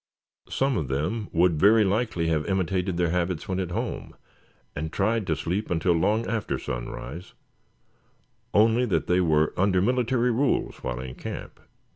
Some of them would very likely have imitated their habits when at home, and tried to sleep until long after sunrise; only that they were under military rules while in camp.